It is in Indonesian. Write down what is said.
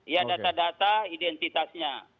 iya data data identitasnya